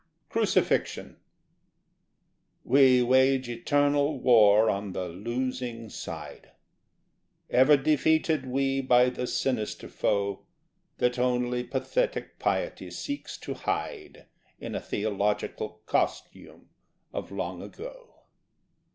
Crucifixion We wage eternal war on the losing side; Ever defeated we by the sinister foe That only pathetic piety seeks to hide In a theological costume of long ago.